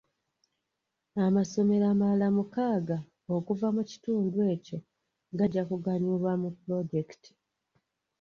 Amasomero amalala mukaaga okuva mu kitundu ekyo gajja kuganyulwa mu pulojekiti.